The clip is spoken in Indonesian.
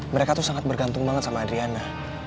mereka tuh sangat bergantung banget sama adriana